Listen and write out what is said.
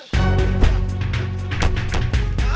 ya udah kita ke sana